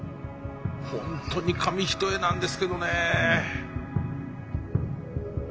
ホントに紙一重なんですけどね。